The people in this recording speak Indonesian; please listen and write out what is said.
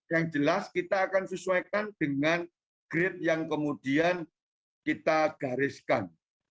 yang jelas kita akan sesuaikan dengan grade yang kemudian kita gariskan